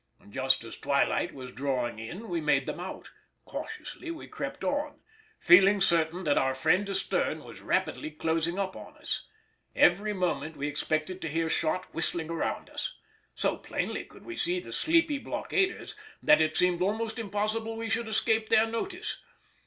Just as twilight was drawing in we made them out; cautiously we crept on, feeling certain that our friend astern was rapidly closing up on us. Every moment we expected to hear shot whistling around us. So plainly could we see the sleepy blockaders that it seemed almost impossible we should escape their notice.